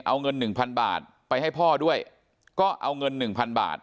เอาเงินหนึ่งพันบาทไปให้พ่อด้วยก็เอาเงินหนึ่งพันบาท